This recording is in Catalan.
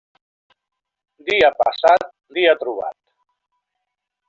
Dia passat, dia trobat.